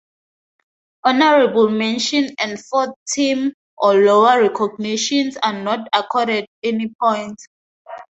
Honorable mention and fourth team or lower recognitions are not accorded any points.